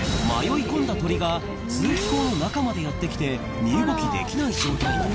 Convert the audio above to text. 迷い込んだ鳥が通気口の中までやって来て身動きできない状態に。